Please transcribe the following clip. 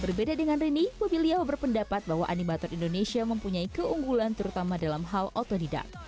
berbeda dengan rini mobiliao berpendapat bahwa animator indonesia mempunyai keunggulan terutama dalam hal otodidak